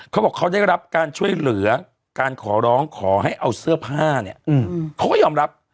เขาบอกเขาได้รับการช่วยเหลือการขอร้องขอให้เอาเสื้อผ้าเนี่ยเขาก็ยอมรับ